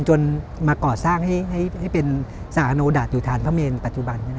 จนมาก่อสร้างให้เป็นสหโนดาตอยู่ฐานพระเมนปัจจุบัน